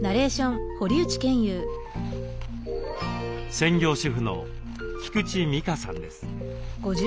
専業主婦の菊池美香さんです。